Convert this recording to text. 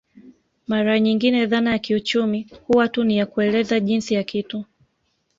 Mara nyingine dhana ya kiuchumi huwa tu ni ya kueleza jinsi ya kitu